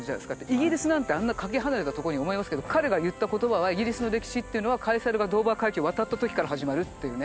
イギリスなんてあんなかけ離れたとこにって思いますけど彼が言った言葉はイギリスの歴史っていうのはカエサルがドーバー海峡を渡った時から始まるっていうね。